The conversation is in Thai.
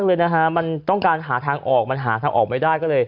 เค้าต้องการหาทางออกแต่ไม่ได้